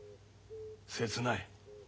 切ない。